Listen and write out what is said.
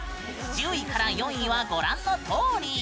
１０位から４位はご覧のとおり。